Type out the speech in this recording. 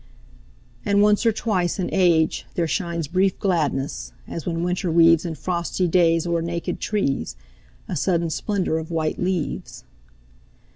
And once or twice in age there shines Brief gladness, as when winter weaves In frosty days o'er naked trees, A sudden splendour of white leaves.